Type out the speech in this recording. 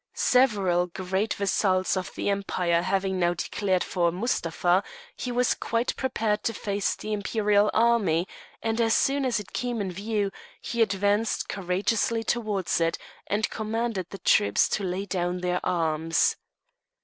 Several great vassals of the empire having now declared for Mustapha, he was quite prepared to face the imperial army, and as soon as it came in view he advanced courageously towards it, and commanded the troops to lay down their arms.